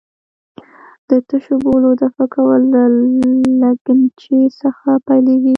د تشو بولو دفع کول له لګنچې څخه پیلېږي.